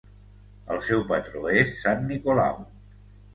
El seu patró és Sant Nicolau.